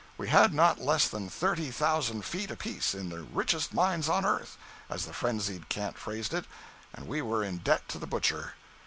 We had not less than thirty thousand "feet" apiece in the "richest mines on earth" as the frenzied cant phrased it—and were in debt to the butcher.